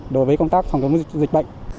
đối với công tác phòng chống dịch bệnh